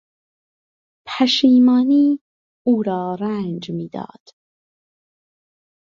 پشیمانی او را رنج میداد.